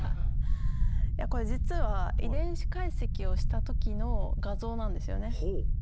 これ実は遺伝子解析をした時の画像なんですよね。